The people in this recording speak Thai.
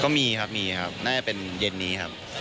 ก็มีครับมีครับน่าจะเป็นเย็นนี้ครับ